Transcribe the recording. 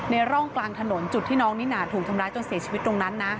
ร่องกลางถนนจุดที่น้องนิน่าถูกทำร้ายจนเสียชีวิตตรงนั้นนะ